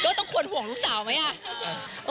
ต้องควรห่วงลูกสาวไหมอ่ะ